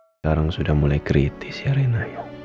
sekarang sudah mulai kritis ya rina